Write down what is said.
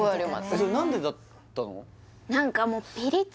それ何でだったの？